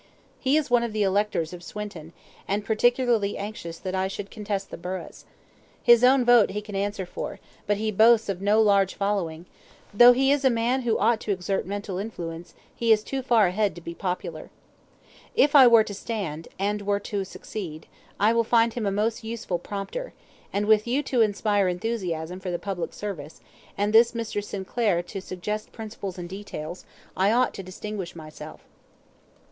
He is one of the electors of Swinton, and particularly anxious that I should contest the burghs. His own vote he can answer for, but he boasts of no large following; though he is a man who ought to exert mental influence, he is too far ahead to be popular. If I were to stand, and were to succeed, I will find him a most useful prompter; and with you to inspire enthusiasm for the public service, and this Mr. Sinclair to suggest principles and details, I ought to distinguish myself."